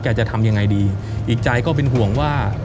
จะทำยังไงดีอีกใจก็เป็นห่วงว่า